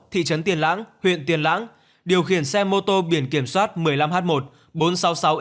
thị trấn tiên lãng huyện tiên lãng điều khiển xe mô tô biển kiểm soát một mươi năm h một bốn trăm sáu mươi sáu xx